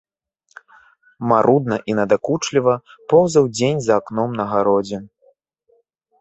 Марудна і надакучліва поўзаў дзень за акном на гародзе.